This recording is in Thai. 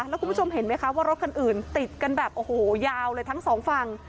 แล้วคุณผู้ชมเห็นไหมคะว่ารถคันอื่นติดกันแบบโอ้โหยาวเลยทั้งสองฝั่ง